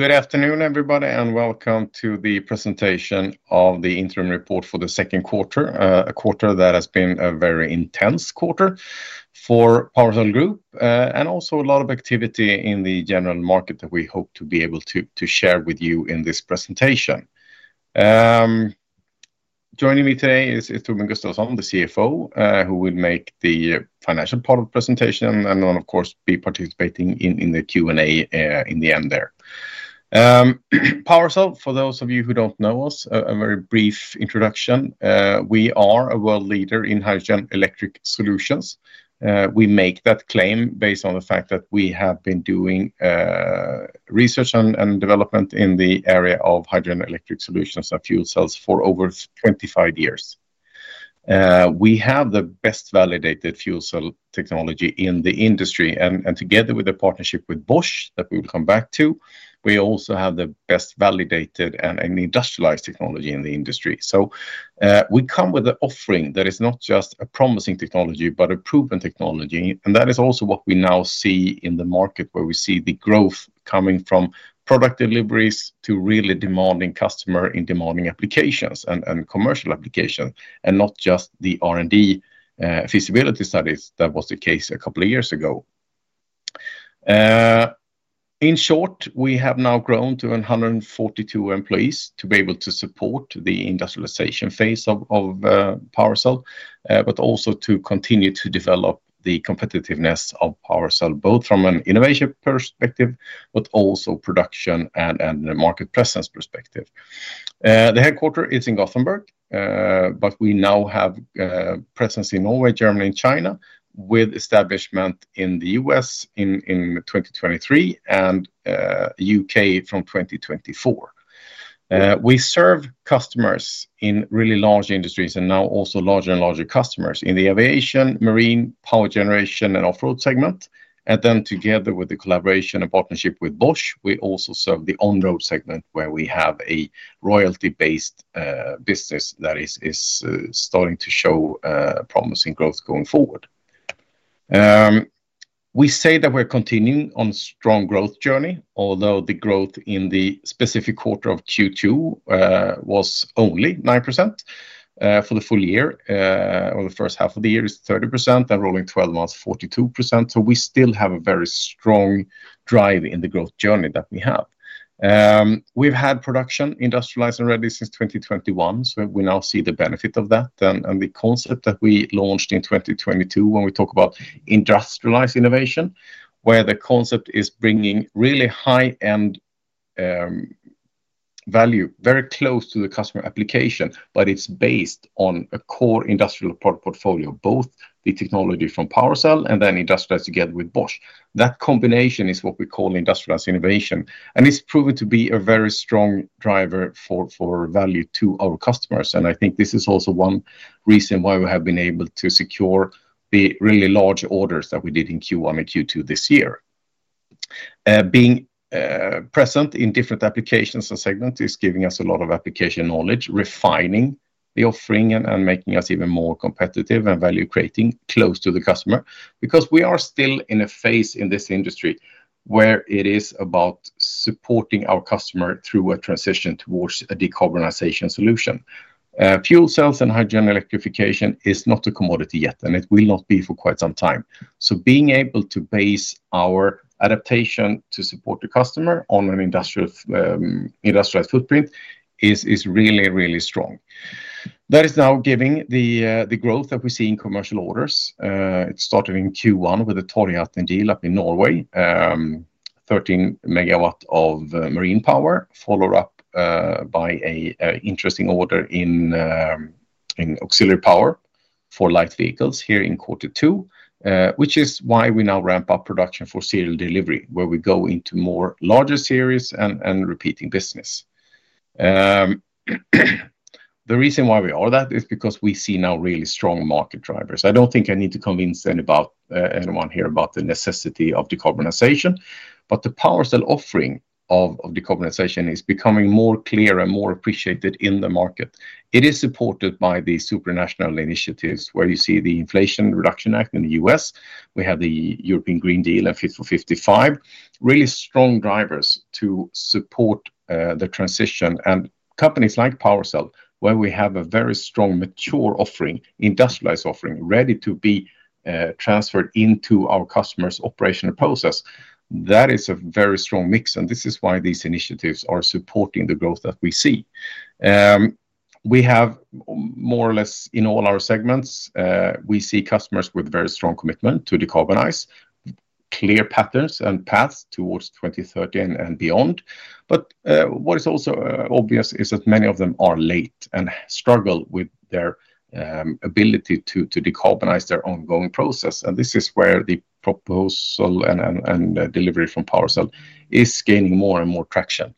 Good afternoon, everybody, and welcome to the presentation of the interim report for the Q2, a quarter that has been a very intense quarter for PowerCell Group, and also a lot of activity in the general market that we hope to be able to share with you in this presentation. Joining me today is Torbjörn Gustafsson, the CFO, who will make the financial part of the presentation and then, of course, be participating in the Q&A in the end there. PowerCell, for those of you who don't know us, a very brief introduction. We are a world leader in hydrogen electric solutions. We make that claim based on the fact that we have been doing research and development in the area of hydrogen electric solutions and fuel cells for over 25 years. We have the best validated fuel cell technology in the industry, and together with the partnership with Bosch, that we will come back to, we also have the best validated and industrialized technology in the industry. We come with an offering that is not just a promising technology, but a proven technology. That is also what we now see in the market, where we see the growth coming from product deliveries to really demanding customer in demanding applications and commercial application, and not just the R&D feasibility studies that was the case a couple of years ago. In short, we have now grown to 142 employees to be able to support the industrialization phase of PowerCell, but also to continue to develop the competitiveness of PowerCell, both from an innovation perspective, but also production and the market presence perspective. The headquarter is in Gothenburg, but we now have presence in Norway, Germany, and China, with establishment in the U.S. in 2023, and U.K. from 2024. We serve customers in really large industries, and now also larger and larger customers in the aviation, marine, power generation, and off-road segment. Together with the collaboration and partnership with Bosch, we also serve the on-road segment, where we have a royalty-based business that is starting to show promising growth going forward. We say that we're continuing on a strong growth journey, although the growth in the specific quarter of Q2 was only 9% for the full year. Or the H2 of the year is 30%, and rolling 12 months, 42%. We still have a very strong drive in the growth journey that we have. We've had production, industrialized and ready since 2021, so we now see the benefit of that. The concept that we launched in 2022, when we talk about industrialized innovation, where the concept is bringing really high-end value, very close to the customer application, but it's based on a core industrial product portfolio, both the technology from PowerCell and then industrialized together with Bosch. That combination is what we call industrialized innovation. It's proven to be a very strong driver for value to our customers. I think this is also one reason why we have been able to secure the really large orders that we did in Q1 and Q2 this year. Being present in different applications and segments is giving us a lot of application knowledge, refining the offering, and making us even more competitive and value-creating close to the customer. We are still in a phase in this industry where it is about supporting our customer through a transition towards a decarbonization solution. Fuel cells and hydrogen electrification is not a commodity yet. It will not be for quite some time. Being able to base our adaptation to support the customer on an industrial, industrialized footprint is really, really strong. That is now giving the growth that we see in commercial orders. It started in Q1 with the Torghatten Nord deal up in Norway. 13 megawatt of marine power, followed up by an interesting order in auxiliary power for light vehicles here in Q2, which is why we now ramp up production for serial delivery, where we go into more larger series and repeating business. The reason why we are that is because we see now really strong market drivers. I don't think I need to convince any about anyone here about the necessity of decarbonization, but the PowerCell offering of decarbonization is becoming more clear and more appreciated in the market. It is supported by the supranational initiatives, where you see the Inflation Reduction Act in the U.S. We have the European Green Deal and Fit for 55. Really strong drivers to support the transition. Companies like PowerCell, where we have a very strong, mature offering, industrialized offering, ready to be transferred into our customer's operational process, that is a very strong mix, and this is why these initiatives are supporting the growth that we see. We have more or less in all our segments, we see customers with very strong commitment to decarbonize, clear patterns and paths towards 2030 and beyond. What is also obvious is that many of them are late and struggle with their ability to decarbonize their ongoing process. This is where the proposal and delivery from PowerCell is gaining more and more traction.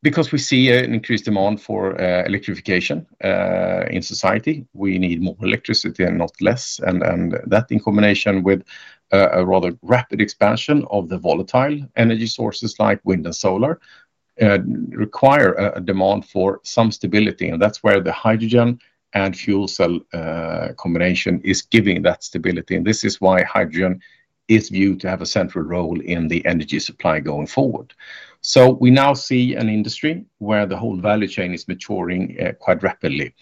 Because we see an increased demand for electrification in society, we need more electricity and not less. That, in combination with a rather rapid expansion of the volatile energy sources like wind and solar, and require a demand for some stability, and that's where the hydrogen and fuel cell combination is giving that stability. This is why hydrogen is viewed to have a central role in the energy supply going forward. We now see an industry where the whole value chain is maturing quite rapidly.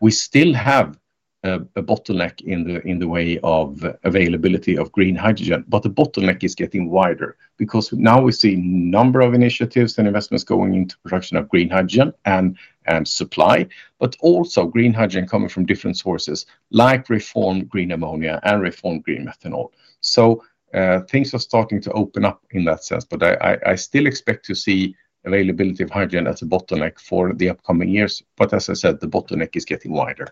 We still have a bottleneck in the way of availability of green hydrogen. The bottleneck is getting wider because now we see number of initiatives and investments going into production of green hydrogen and supply, but also green hydrogen coming from different sources like reformed green ammonia and reformed green methanol. Things are starting to open up in that sense, but I still expect to see availability of hydrogen as a bottleneck for the upcoming years. As I said, the bottleneck is getting wider.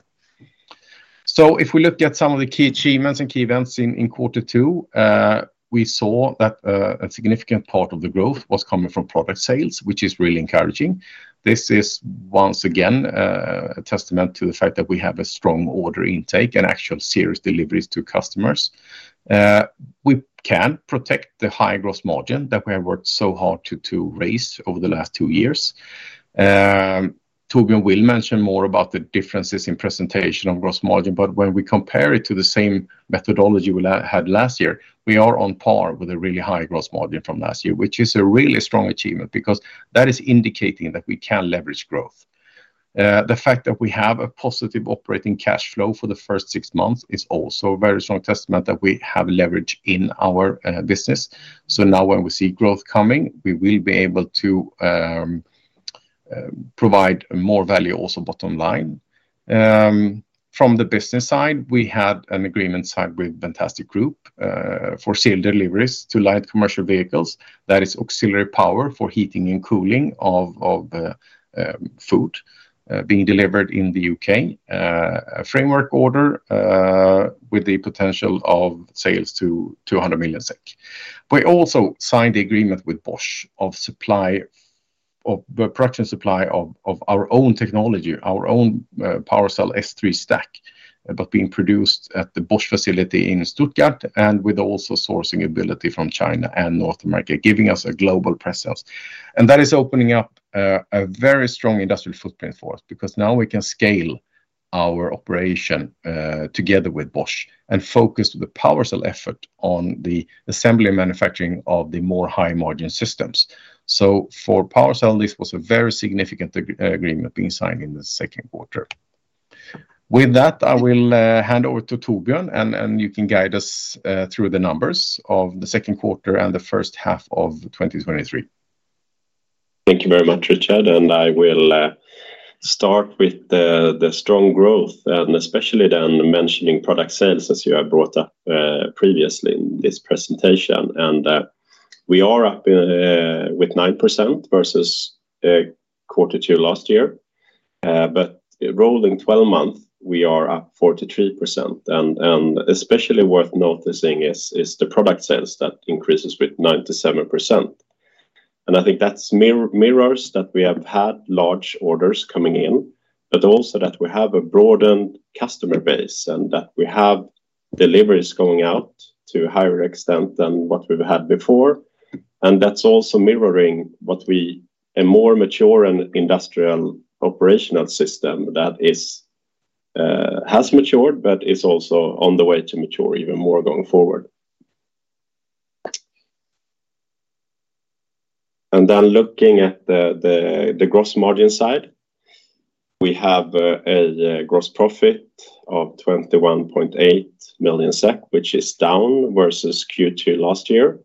If we look at some of the key achievements and key events in Q2, we saw that a significant part of the growth was coming from product sales, which is really encouraging. This is once again, a testament to the fact that we have a strong order intake and actual serious deliveries to customers. We can protect the high gross margin that we have worked so hard to raise over the last 2 years. Torbjörn will mention more about the differences in presentation of gross margin, but when we compare it to the same methodology we had last year, we are on par with a really high gross margin from last year, which is a really strong achievement because that is indicating that we can leverage growth. The fact that we have a positive operating cash flow for the first six months is also a very strong testament that we have leverage in our business. Now when we see growth coming, we will be able to provide more value also bottom line. From the business side, we had an agreement signed with Vantastic Group for sale deliveries to light commercial vehicles. That is auxiliary power for heating and cooling of food being delivered in the UK. A framework order with the potential of sales to 200 million SEK. We also signed the agreement with Bosch of production supply of our own technology, our own PowerCell S3 stack, but being produced at the Bosch facility in Stuttgart, and with also sourcing ability from China and North America, giving us a global presence. That is opening up a very strong industrial footprint for us, because now we can scale our operation together with Bosch and focus the PowerCell effort on the assembly and manufacturing of the more high-margin systems. For PowerCell, this was a very significant agreement being signed in the Q2. With that, I will hand over to Torbjörn, and you can guide us through the numbers of the Q2 and the H1 of 2023. Thank you very much, Richard, I will start with the strong growth, and especially then mentioning product sales, as you have brought up previously in this presentation. We are up with 9% versus Q2 last year. Rolling 12-month, we are up 43%. Especially worth noticing is the product sales that increases with 97%. I think that mirrors that we have had large orders coming in, but also that we have a broadened customer base, and that we have deliveries going out to a higher extent than what we've had before. That's also mirroring a more mature and industrial operational system that has matured, but is also on the way to mature even more going forward. Looking at the gross margin side, we have a gross profit of 21.8 million SEK, which is down versus Q2 last year.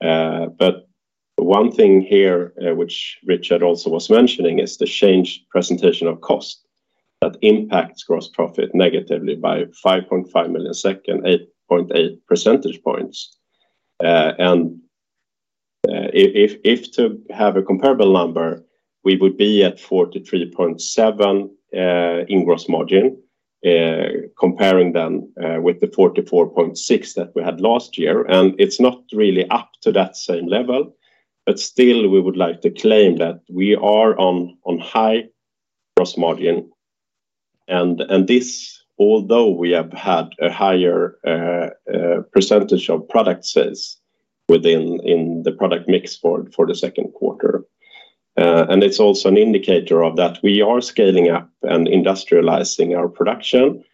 One thing here, which Richard also was mentioning, is the changed presentation of cost. That impacts gross profit negatively by 5.5 million and 8.8 percentage points. If to have a comparable number, we would be at 43.7% in gross margin, comparing with the 44.6% that we had last year. It's not really up to that same level, but still, we would like to claim that we are on high gross margin. This, although we have had a higher % of product sales within, in the product mix for the Q2, it's also an indicator of that we are scaling up and industrializing our production.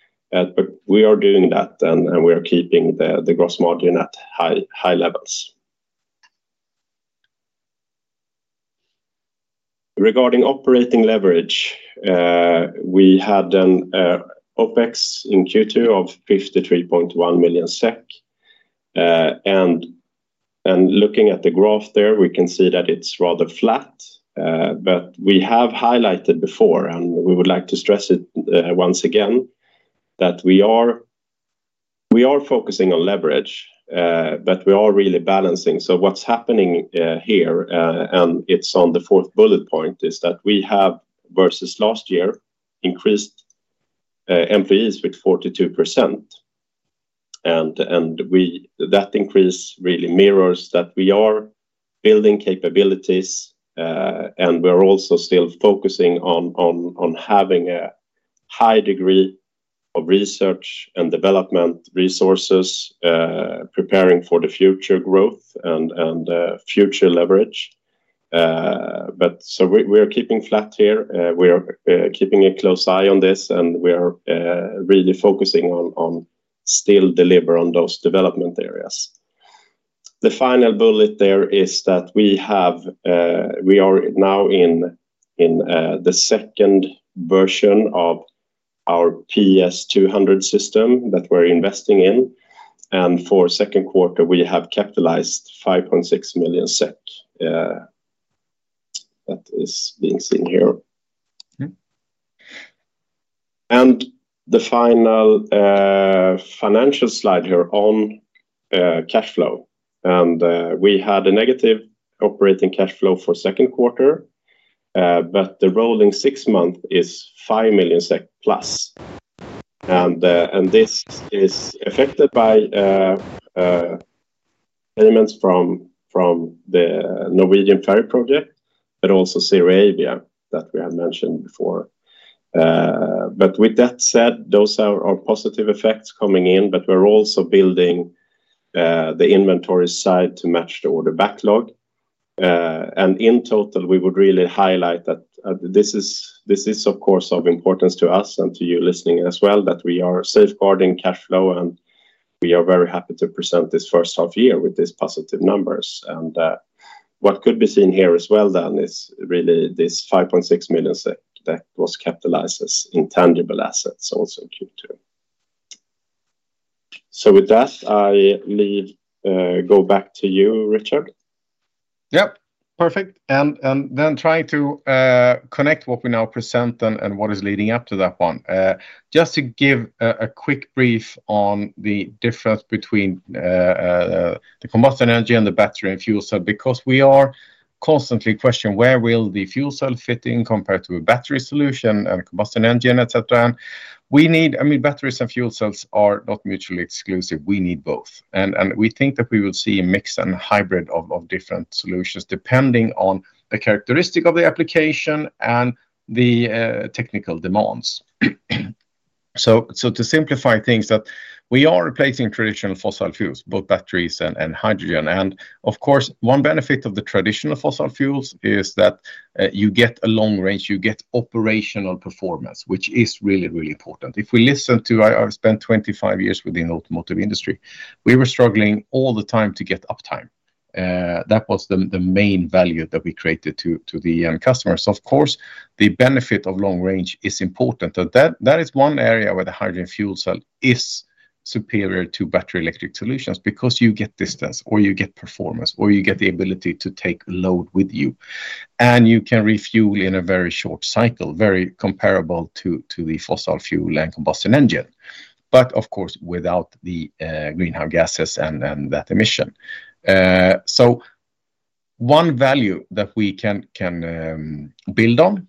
We are doing that, and we are keeping the gross margin at high levels. Regarding operating leverage, we had OPEX in Q2 of 53.1 million SEK. Looking at the graph there, we can see that it's rather flat, we have highlighted before, and we would like to stress it once again, that we are focusing on leverage, but we are really balancing. What's happening here, it's on the 4th bullet point, is that we have, versus last year, increased employees with 42%. That increase really mirrors that we are building capabilities, and we're also still focusing on having a high degree of research and development resources, preparing for the future growth and future leverage. We are keeping flat here. We are keeping a close eye on this, and we are really focusing on still deliver on those development areas. The final bullet there is that we have, we are now in the 2nd version of our PS 200 System that we're investing in, and for second quarter, we have capitalized 5.6 million SEK that is being seen here. Mm-hmm. The final financial slide here on cash flow. We had a negative operating cash flow for Q2 but the rolling 6 month is 5 million SEK plus. This is affected by elements from the Norwegian ferry project, but also ZeroAvia, that we have mentioned before. With that said, those are our positive effects coming in, but we're also building the inventory side to match the order backlog. In total, we would really highlight that this is of course, of importance to us and to you listening as well, that we are safeguarding cash flow, and we are very happy to present this H1 year with these positive numbers. What could be seen here as well then, is really this 5.6 million SEK that was capitalized as intangible assets, also in Q2. With that, I need go back to you, Richard. Yep, perfect. Then trying to connect what we now present and what is leading up to that one. Just to give a quick brief on the difference between the combustion energy and the battery and fuel cell, because we are constantly questioning where will the fuel cell fit in compared to a battery solution and a combustion engine, et cetera. We need, I mean, batteries and fuel cells are not mutually exclusive. We need both. We think that we will see a mix and hybrid of different solutions, depending on the characteristic of the application and the technical demands. To simplify things that we are replacing traditional fossil fuels, both batteries and hydrogen. Of course, one benefit of the traditional fossil fuels is that you get a long range, you get operational performance, which is really, really important. If we listen to, I spent 25 years within automotive industry. We were struggling all the time to get uptime. That was the main value that we created to the customers. Of course, the benefit of long range is important. That is one area where the hydrogen fuel cell is superior to battery electric solutions, because you get distance, or you get performance, or you get the ability to take load with you. You can refuel in a very short cycle, very comparable to the fossil fuel and combustion engine. Of course, without the greenhouse gases and that emission. One value that we can build on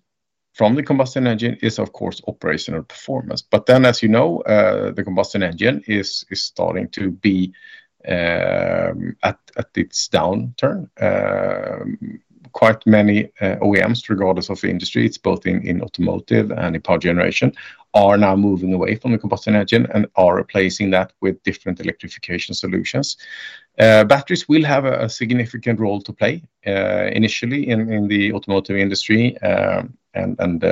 from the combustion engine is, of course, operational performance. As you know, the combustion engine is starting to be at its downturn. Quite many OEMs, regardless of the industry, it's both in automotive and in power generation, are now moving away from the combustion engine and are replacing that with different electrification solutions. Batteries will have a significant role to play initially in the automotive industry, and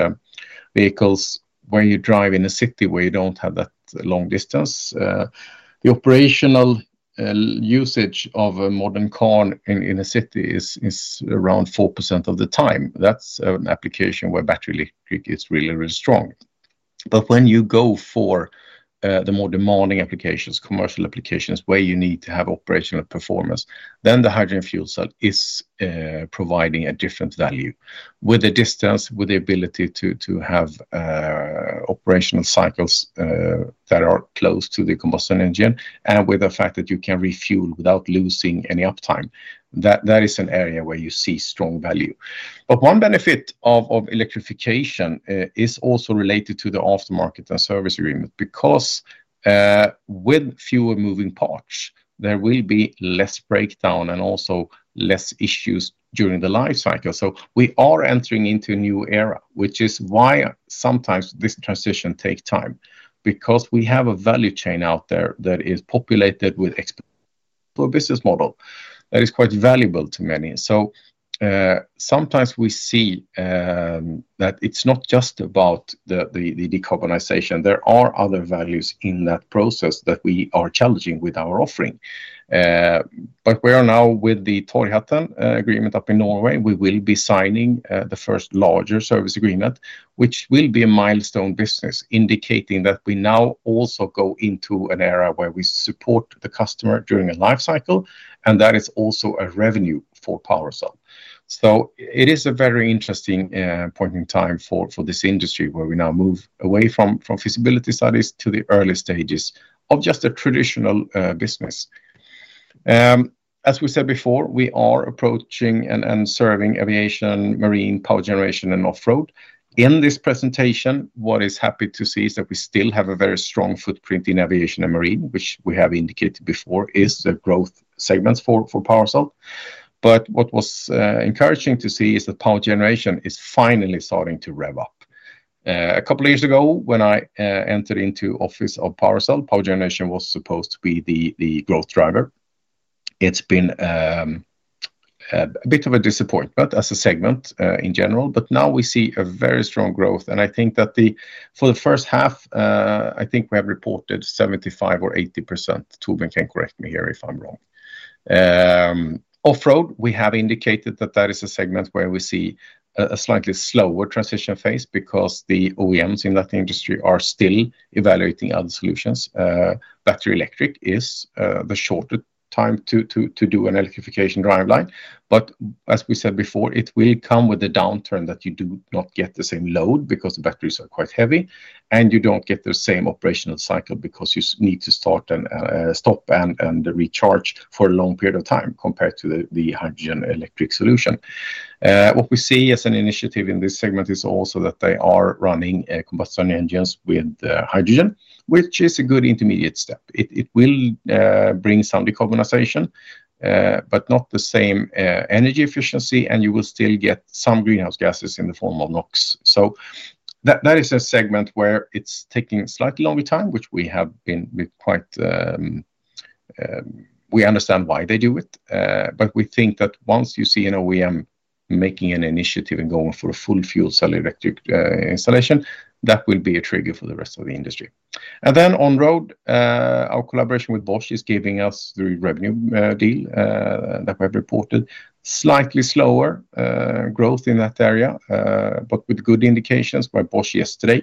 vehicles where you drive in a city where you don't have that long distance. The operational usage of a modern car in a city is around 4% of the time. That's an application where battery electric is really, really strong. When you go for the more demanding applications, commercial applications, where you need to have operational performance, then the hydrogen fuel cell is providing a different value. With the distance, with the ability to have operational cycles that are close to the combustion engine, and with the fact that you can refuel without losing any uptime, that is an area where you see strong value. One benefit of electrification is also related to the aftermarket and service agreement, because with fewer moving parts, there will be less breakdown and also less issues during the life cycle. We are entering into a new era, which is why sometimes this transition take time, because we have a value chain out there that is populated with for a business model that is quite valuable to many. Sometimes we see that it's not just about the decarbonization. There are other values in that process that we are challenging with our offering. We are now with the Torghatten agreement up in Norway, we will be signing the first larger service agreement, which will be a milestone business, indicating that we now also go into an era where we support the customer during a life cycle, and that is also a revenue for PowerCell. It is a very interesting point in time for this industry, where we now move away from feasibility studies to the early stages of just a traditional business. As we said before, we are approaching and serving aviation, marine, power generation, and off-road. In this presentation, what is happy to see is that we still have a very strong footprint in aviation and marine, which we have indicated before, is the growth segments for PowerCell. What was encouraging to see is that power generation is finally starting to rev up. A couple of years ago, when I entered into office of PowerCell, power generation was supposed to be the growth driver. It's been a bit of a disappointment as a segment in general, but now we see a very strong growth, and I think that for the H1, I think we have reported 75% or 80%. Torbjörn can correct me here if I'm wrong. Off-road, we have indicated that that is a segment where we see a slightly slower transition phase because the OEMs in that industry are still evaluating other solutions. Battery electric is the shorter time to do an electrification driveline. As we said before, it will come with a downturn that you do not get the same load because the batteries are quite heavy, and you don't get the same operational cycle because you need to start and stop and recharge for a long period of time compared to the hydrogen electric solution. What we see as an initiative in this segment is also that they are running combustion engines with hydrogen, which is a good intermediate step. It will bring some decarbonization, but not the same energy efficiency, and you will still get some greenhouse gases in the form of NOx. That is a segment where it's taking a slightly longer time, which we have been quite, we understand why they do it. But we think that once you see an OEM making an initiative and going for a full fuel cell electric installation, that will be a trigger for the rest of the industry. On road, our collaboration with Bosch is giving us the revenue deal that we have reported. Slightly slower growth in that area, but with good indications by Bosch yesterday,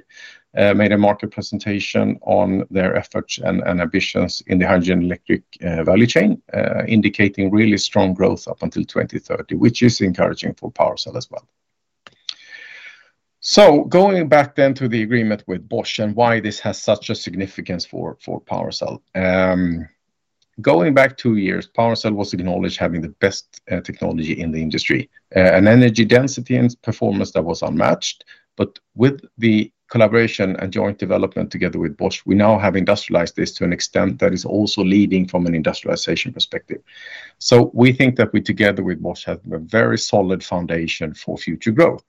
made a market presentation on their efforts and ambitions in the hydrogen electric value chain, indicating really strong growth up until 2030, which is encouraging for PowerCell as well. Going back then to the agreement with Bosch and why this has such a significance for PowerCell. Going back 2 years, PowerCell was acknowledged having the best technology in the industry, an energy density and performance that was unmatched. With the collaboration and joint development together with Bosch, we now have industrialized this to an extent that is also leading from an industrialization perspective. We think that we, together with Bosch, have a very solid foundation for future growth.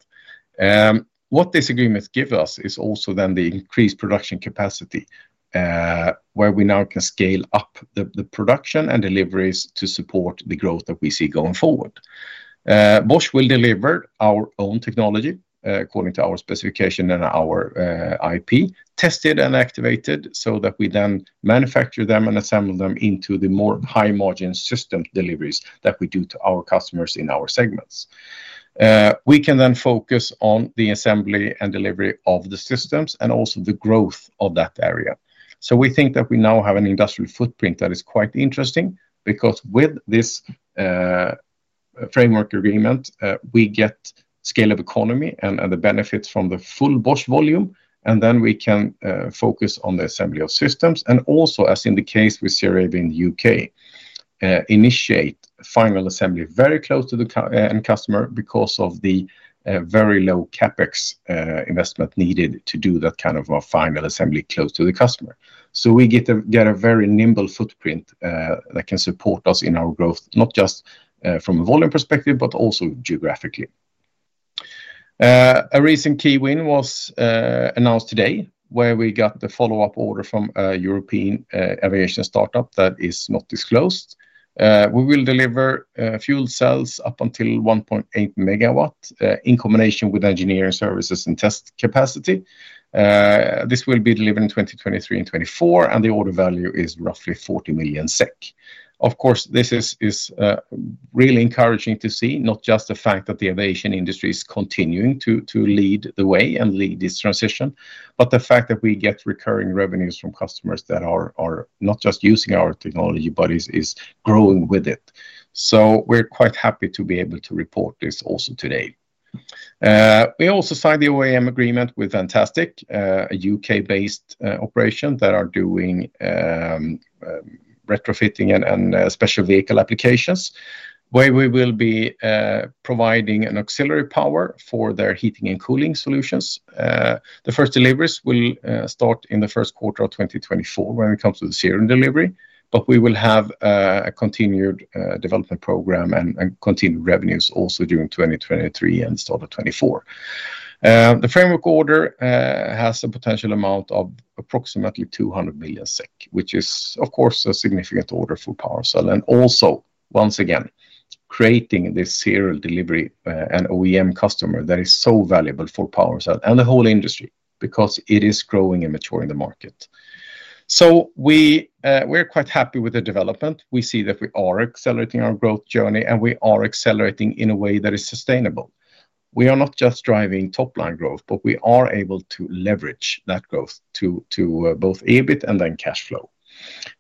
What this agreement give us is also then the increased production capacity, where we now can scale up the production and deliveries to support the growth that we see going forward. Bosch will deliver our own technology, according to our specification and our IP, tested and activated, so that we then manufacture them and assemble them into the more high-margin system deliveries that we do to our customers in our segments. We can then focus on the assembly and delivery of the systems and also the growth of that area. We think that we now have an industrial footprint that is quite interesting because with this framework agreement, we get scale of economy and the benefits from the full Bosch volume, and then we can focus on the assembly of systems, and also, as in the case with ZeroAvia in U.K., initiate final assembly very close to the end customer because of the very low CapEx investment needed to do that kind of a final assembly close to the customer. We get a very nimble footprint that can support us in our growth, not just from a volume perspective, but also geographically. A recent key win was announced today, where we got the follow-up order from a European aviation startup that is not disclosed. We will deliver fuel cells up until 1.8 megawatt in combination with engineering services and test capacity. This will be delivered in 2023 and 2024, and the order value is roughly 40 million SEK. Of course, this is really encouraging to see, not just the fact that the aviation industry is continuing to lead the way and lead this transition, but the fact that we get recurring revenues from customers that are not just using our technology, but is growing with it. We're quite happy to be able to report this also today. We also signed the OEM agreement with Vantastec, a UK-based operation that are doing retrofitting and special vehicle applications, where we will be providing an auxiliary power for their heating and cooling solutions. The 1st deliveries will start in the Q1 of 2024 when it comes to the serial delivery, but we will have a continued development program and continued revenues also during 2023 and start of 2024. The framework order has a potential amount of approximately 200 million SEK, which is, of course, a significant order for PowerCell, and also, once again, creating this serial delivery, an OEM customer that is so valuable for PowerCell and the whole industry because it is growing and maturing the market. We, we're quite happy with the development. We see that we are accelerating our growth journey, and we are accelerating in a way that is sustainable. We are not just driving top-line growth, but we are able to leverage that growth to, both EBIT and then cash flow.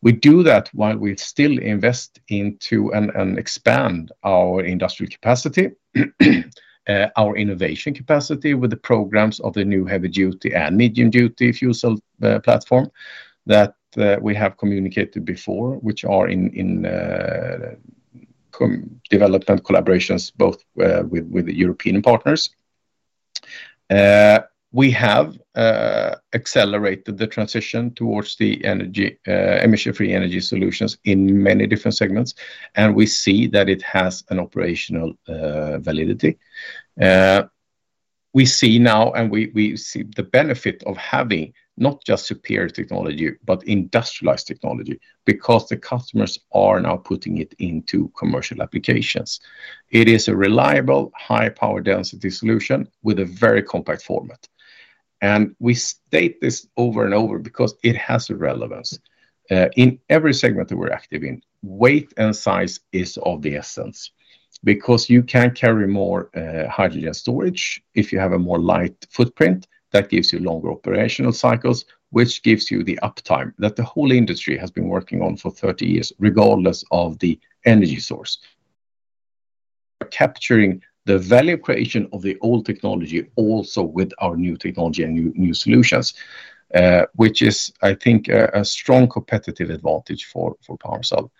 We do that while we still invest into and expand our industrial capacity, our innovation capacity with the programs of the new heavy-duty and medium-duty fuel cell platform that we have communicated before, which are in development collaborations, both with the European partners. We have accelerated the transition towards the energy, emission-free energy solutions in many different segments, and we see that it has an operational validity. We see now, and we see the benefit of having not just superior technology, but industrialized technology, because the customers are now putting it into commercial applications. It is a reliable, high power density solution with a very compact format. We state this over and over because it has a relevance. In every segment that we're active in, weight and size is of the essence. You can carry more hydrogen storage if you have a more light footprint, that gives you longer operational cycles, which gives you the uptime that the whole industry has been working on for 30 years, regardless of the energy source. Capturing the value creation of the old technology, also with our new technology and new solutions, which is, I think, a strong competitive advantage for PowerCell.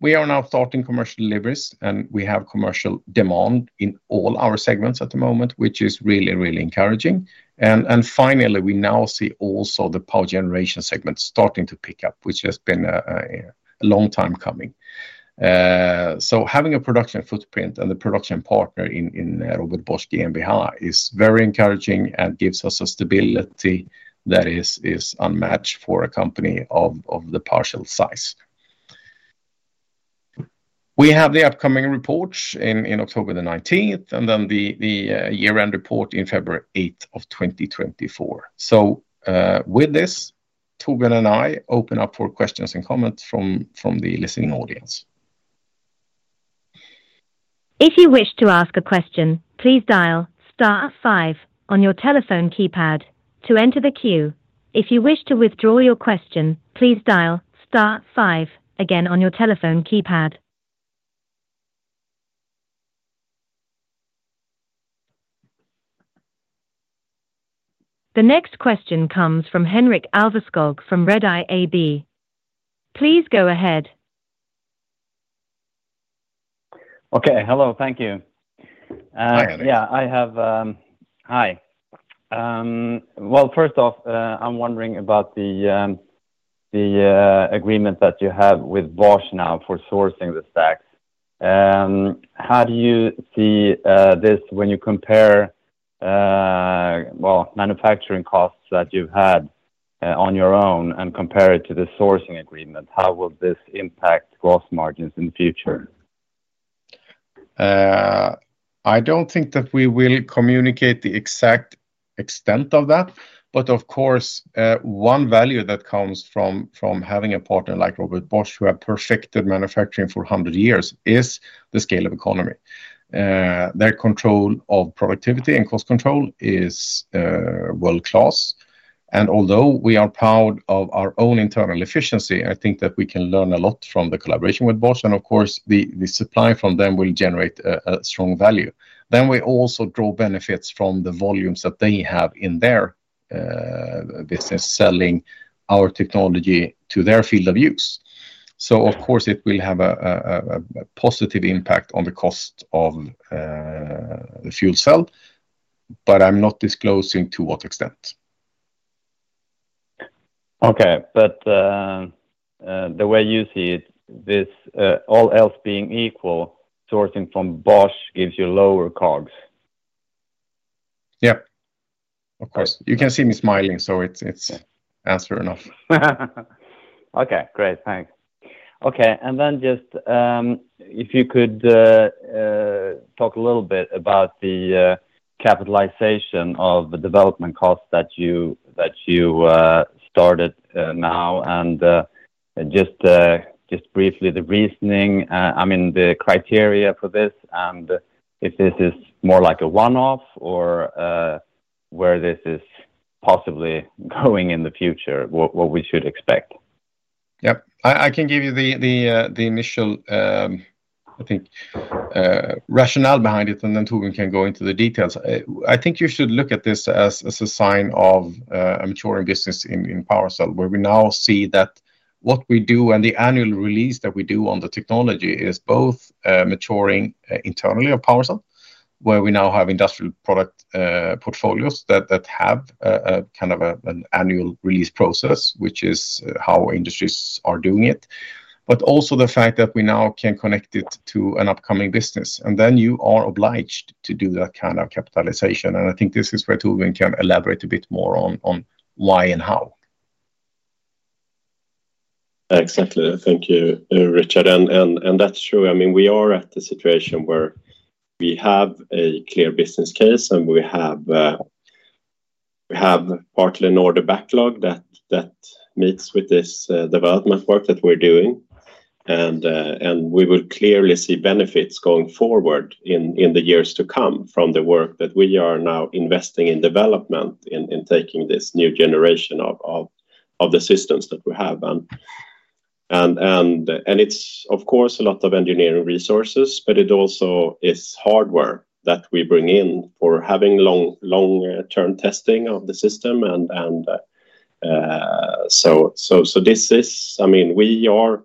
We are now starting commercial deliveries, and we have commercial demand in all our segments at the moment, which is really encouraging. Finally, we now see also the power generation segment starting to pick up, which has been a long time coming. Having a production footprint and the production partner in Robert Bosch GmbH is very encouraging and gives us a stability that is unmatched for a company of the partial size. We have the upcoming reports in October 19th, and then the year-end report in February 8th, 2024. With this, Torbjörn and I open up for questions and comments from the listening audience. If you wish to ask a question, please dial star 5 on your telephone keypad to enter the queue. If you wish to withdraw your question, please dial star 5 again on your telephone keypad. The next question comes from Henrik Alveskog from Redeye AB. Please go ahead. Okay. Hello. Thank you. Hi, Henrik. Yeah, I have. Hi. Well, first off, I'm wondering about the agreement that you have with Bosch now for sourcing the stacks. How do you see this when you compare, well, manufacturing costs that you've had on your own and compare it to the sourcing agreement? How will this impact gross margins in the future? I don't think that we will communicate the exact extent of that. Of course, one value that comes from having a partner like Robert Bosch, who have perfected manufacturing for 100 years, is the scale of economy. Their control of productivity and cost control is world-class. Although we are proud of our own internal efficiency, I think that we can learn a lot from the collaboration with Bosch. Of course, the supply from them will generate a strong value. We also draw benefits from the volumes that they have in their business, selling our technology to their field of use. Of course, it will have a positive impact on the cost of the fuel cell, but I'm not disclosing to what extent. Okay. The way you see it, this, all else being equal, sourcing from Bosch gives you lower COGS? Yeah. Of course. You can see me smiling, so it's answer enough. Okay, great. Thanks. Just, if you could, talk a little bit about the capitalization of the development costs that you started now and just briefly, the reasoning, I mean, the criteria for this and if this is more like a one-off or, where this is possibly going in the future, what we should expect? Yep. I can give you the initial, I think, rationale behind it. Then Torbjörn can go into the details. I think you should look at this as a sign of a maturing business in PowerCell, where we now see that what we do and the annual release that we do on the technology is both maturing internally at PowerCell, where we now have industrial product portfolios that have a kind of an annual release process, which is how industries are doing it, but also the fact that we now can connect it to an upcoming business. Then you are obliged to do that kind of capitalization. I think this is where Torbjörn can elaborate a bit more on why and how. Exactly. Thank you, Richard. That's true. I mean, we are at a situation where we have a clear business case, and we have partly an order backlog that meets with this development work that we're doing. We will clearly see benefits going forward in the years to come from the work that we are now investing in development, in taking this new generation of the systems that we have. It's, of course, a lot of engineering resources, but it also is hardware that we bring in for having long-term testing of the system. So, this is. I mean, we are.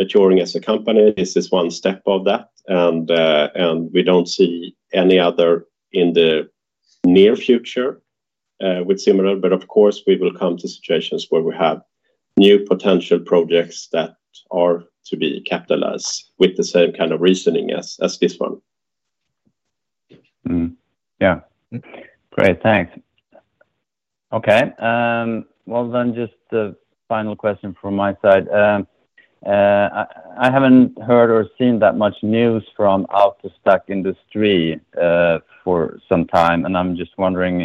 Maturing as a company, this is one step of that, and we don't see any other in the near future with similar. Of course, we will come to situations where we have new potential projects that are to be capitalized with the same kind of reasoning as this one. Mm-hmm. Yeah. Great, thanks. Okay, well, just the final question from my side. I haven't heard or seen that much news from out the stack industry for some time, and I'm just wondering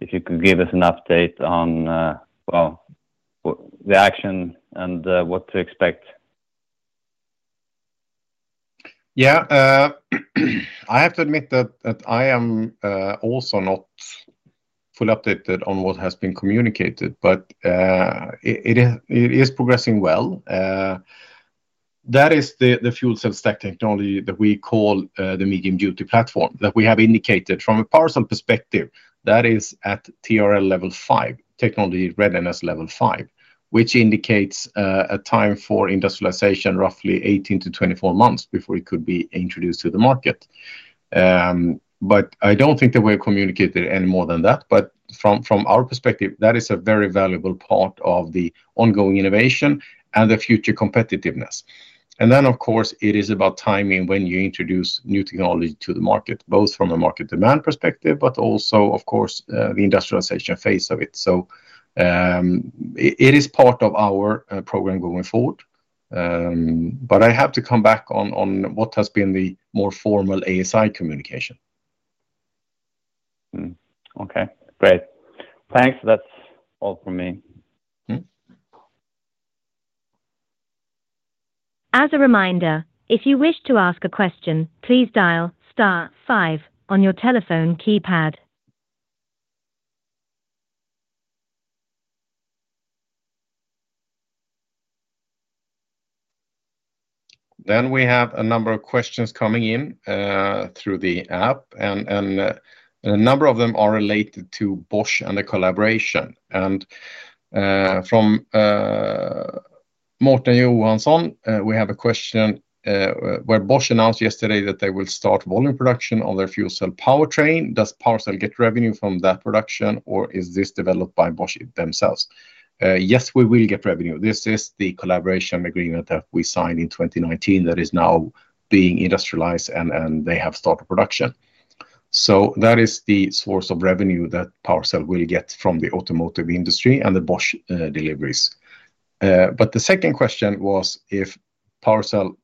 if you could give us an update on, well, the action and what to expect? Yeah, I have to admit that I am also not fully updated on what has been communicated, but it is progressing well. That is the fuel cell stack technology that we call the medium-duty platform, that we have indicated from a PowerCell perspective, that is at TRL level 5, Technology Readiness Level 5, which indicates a time for industrialization, roughly 18 to 24 months before it could be introduced to the market. I don't think that we've communicated any more than that. From our perspective, that is a very valuable part of the ongoing innovation and the future competitiveness. Then, of course, it is about timing when you introduce new technology to the market, both from a market demand perspective, but also, of course, the industrialization phase of it. It is part of our program going forward. I have to come back on what has been the more formal ASI communication. Mm-hmm. Okay, great. Thanks. That's all from me. Mm-hmm. As a reminder, if you wish to ask a question, please dial star 5 on your telephone keypad. We have a number of questions coming in through the app, and a number of them are related to Bosch and the collaboration. From Morten Johansson, we have a question where Bosch announced yesterday that they will start volume production on their fuel cell powertrain. Does PowerCell get revenue from that production, or is this developed by Bosch themselves? Yes, we will get revenue. This is the collaboration agreement that we signed in 2019, that is now being industrialized, and they have started production. That is the source of revenue that PowerCell will get from the automotive industry and the Bosch deliveries. The second question was if PowerCell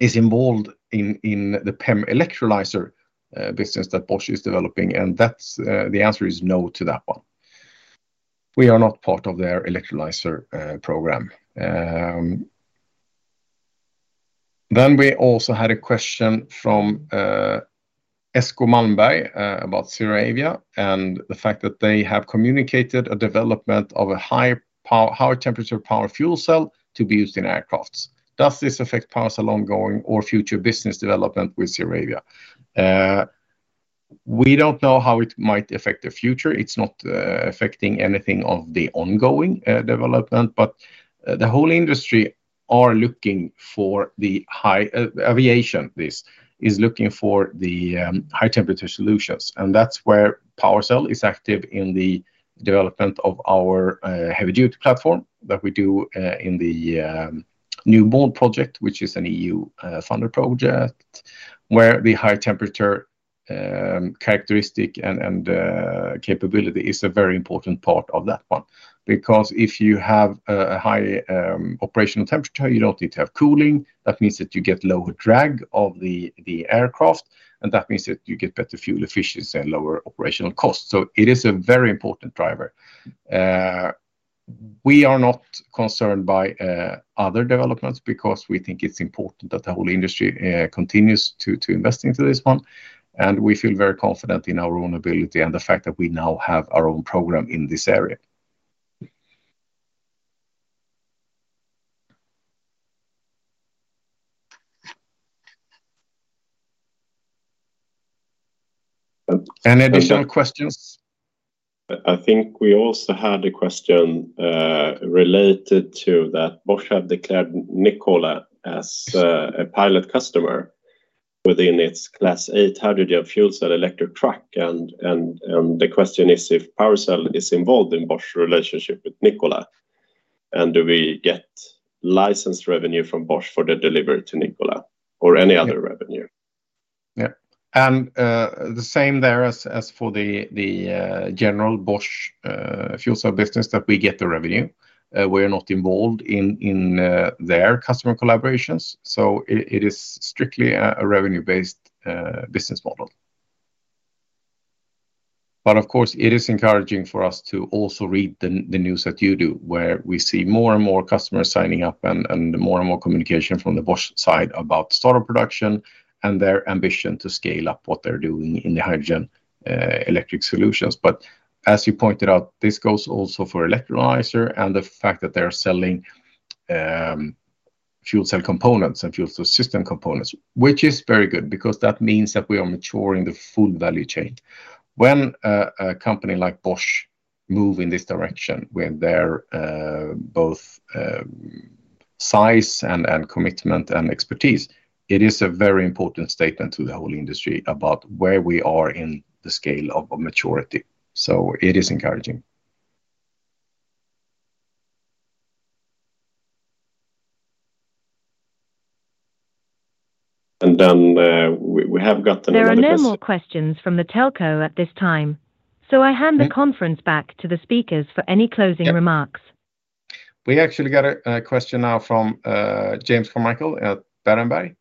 is involved in the PEM electrolyzer business that Bosch is developing, and that's the answer is no to that one. We are not part of their electrolyzer program. We also had a question from Asko Ma about ZeroAvia, and the fact that they have communicated a development of a high-temperature power fuel cell to be used in aircrafts. Does this affect PowerCell ongoing or future business development with ZeroAvia? We don't know how it might affect the future. It's not affecting anything of the ongoing development, but the whole industry are looking for the high aviation, this is looking for the high-temperature solutions, and that's where PowerCell is active in the development of our heavy-duty platform that we do in the New Bolt project, which is an EU funded project, where the high temperature characteristic and capability is a very important part of that one. If you have a high operational temperature, you don't need to have cooling. That means that you get lower drag of the aircraft, and that means that you get better fuel efficiency and lower operational costs. It is a very important driver. We are not concerned by other developments because we think it's important that the whole industry continues to invest into this one, and we feel very confident in our own ability and the fact that we now have our own program in this area. Any additional questions? I think we also had a question related to that Bosch have declared Nikola as a pilot customer within its Class 8 hydrogen fuel cell electric truck. The question is if PowerCell is involved in Bosch's relationship with Nikola. Do we get license revenue from Bosch for the delivery to Nikola or any other revenue? The same there as for the general Bosch fuel cell business, that we get the revenue. We're not involved in their customer collaborations, so it is strictly a revenue-based business model. Of course, it is encouraging for us to also read the news that you do, where we see more and more customers signing up and more and more communication from the Bosch side about sort of production and their ambition to scale up what they're doing in the hydrogen-electric solutions. As you pointed out, this goes also for electrolyzer and the fact that they're selling fuel cell components and fuel cell system components, which is very good because that means that we are maturing the full value chain. When a company like Bosch. Move in this direction with their both size and commitment and expertise. It is a very important statement to the whole industry about where we are in the scale of maturity. It is encouraging. We have got. There are no more questions from the telco at this time. I hand the conference back to the speakers for any closing remarks. We actually got a question now from James Carmichael at Berenberg.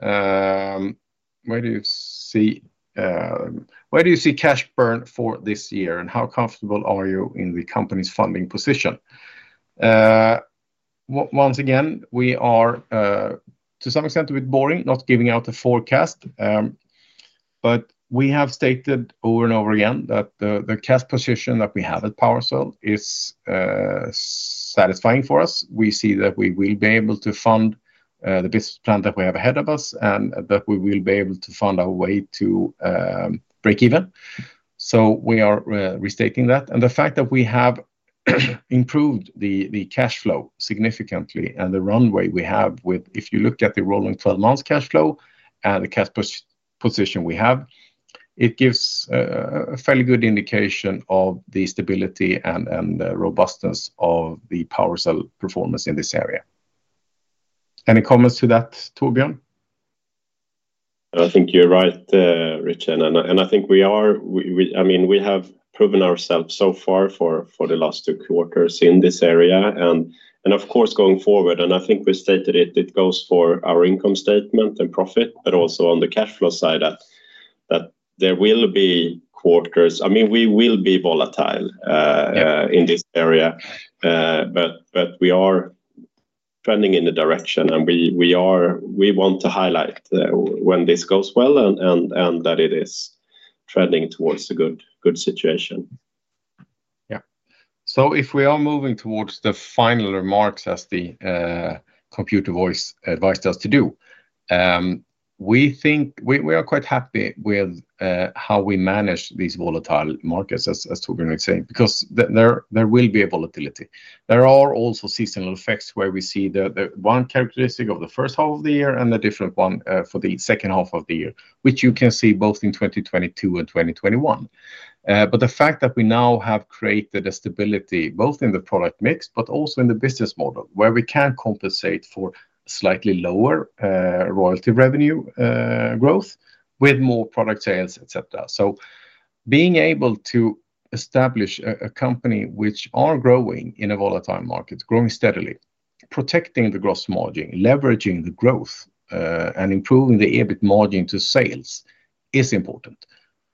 Where do you see cash burn for this year, and how comfortable are you in the company's funding position? Once again, we are to some extent a bit boring, not giving out a forecast. We have stated over and over again that the cash position that we have at PowerCell is satisfying for us. We see that we will be able to fund the business plan that we have ahead of us, and that we will be able to fund our way to break even. We are restating that. The fact that we have improved the cash flow significantly and the runway we have with... If you look at the rolling 12 months cash flow and the cash position we have, it gives a fairly good indication of the stability and the robustness of the PowerCell performance in this area. Any comments to that, Torbjörn? I think you're right, Richard. I mean, we have proven ourselves so far for the last two quarters in this area. Of course, going forward, and I think we stated it goes for our income statement and profit, but also on the cash flow side, that there will be quarters. I mean, we will be volatile. Yeah In this area. We are trending in the direction, and we want to highlight, when this goes well, and that it is trending towards a good situation. Yeah. If we are moving towards the final remarks, as the computer voice advised us to do, we think we are quite happy with how we manage these volatile markets, as Torbjörn was saying, because there will be a volatility. There are also seasonal effects, where we see the one characteristic of the H1 of the year and the different one for the H2 of the year, which you can see both in 2022 and 2021. The fact that we now have created a stability, both in the product mix, but also in the business model, where we can compensate for slightly lower royalty revenue growth with more product sales, et cetera. Being able to establish a company which are growing in a volatile market, growing steadily, protecting the gross margin, leveraging the growth, and improving the EBIT margin to sales, is important.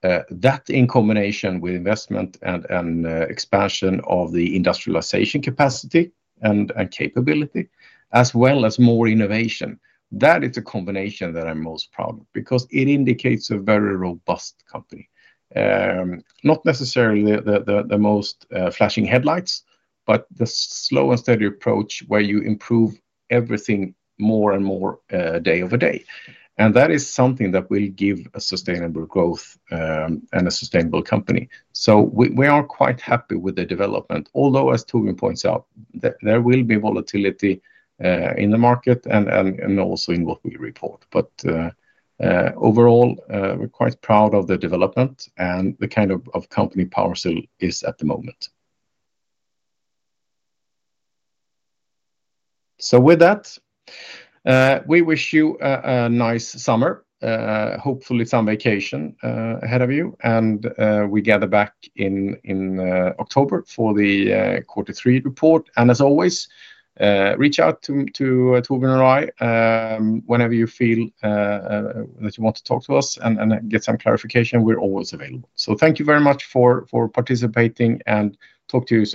That, in combination with investment and expansion of the industrialization capacity and capability, as well as more innovation, that is a combination that I'm most proud of because it indicates a very robust company. Not necessarily the most flashing headlights, but the slow and steady approach, where you improve everything more and more day over day. That is something that will give a sustainable growth and a sustainable company. We are quite happy with the development. Although, as Torbjörn points out, there will be volatility in the market and also in what we report. Overall, we're quite proud of the development and the kind of company PowerCell is at the moment. With that, we wish you a nice summer, hopefully some vacation ahead of you. We gather back in October for the Q3 report. As always, reach out to Torbjörn or I whenever you feel that you want to talk to us and get some clarification. We're always available. Thank you very much for participating, and talk to you.